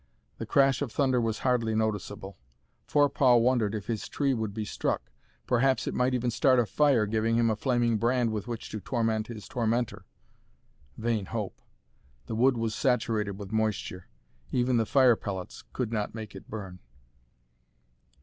The crash of thunder was hardly noticeable. Forepaugh wondered if his tree would be struck. Perhaps it might even start a fire, giving him a flaming brand with which to torment his tormentor. Vain hope! The wood was saturated with moisture. Even the fire pellets could not make it burn.